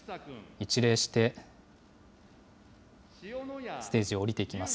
一礼して、ステージを下りていきます。